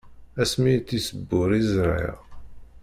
Ass mi i tt-isbur, i ẓriɣ.